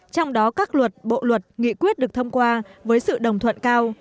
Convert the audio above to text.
trong đó các luật bộ luật nghị quyết được thông qua với sự đồng thuận cao